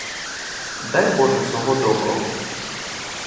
Дай боже всього доброго!